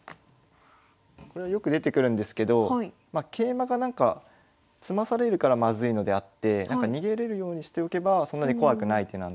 これはよく出てくるんですけど桂馬がなんか詰まされるからまずいのであって逃げれるようにしておけばそんなに怖くない手なんですね。